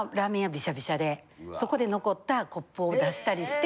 びしゃびしゃでそこで残ったコップを出したりして。